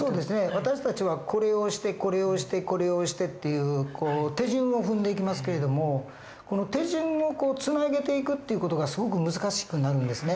私たちはこれをしてこれをしてこれをしてっていう手順を踏んでいきますけれどもこの手順をつなげていくっていう事がすごく難しくなるんですね。